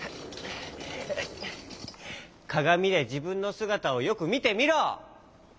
かがみでじぶんのすがたをよくみてみろ。